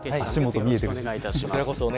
よろしくお願いします。